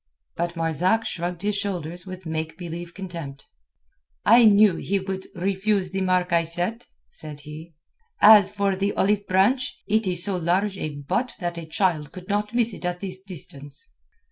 But Marzak shrugged his shoulders with make believe contempt. "I knew he would refuse the mark I set," said he. "As for the olive branch, it is so large a butt that a child could not miss it at this distance."